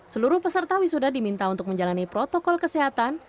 seluruh peserta wisuda diminta untuk menjalani protokol kesehatan